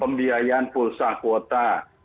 pembiayaan pulsa kuota